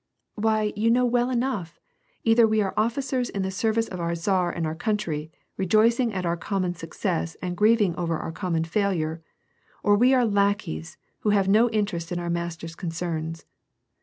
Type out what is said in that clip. " Why you know well enough, either we are officers in the service of our Tsar and our country, rejoicing at our common success and grieving over our common failure, or we are * lackeys,' who have no interest in our master's concerns.